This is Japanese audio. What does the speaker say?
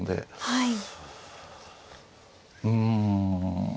はい。